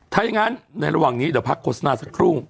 ถ้าอย่างนั้นในระหว่างนี้เดี๋ยวพักโฆษณาสักครู่